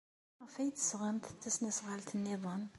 Maɣef ay teɣsemt tasnasɣalt niḍen?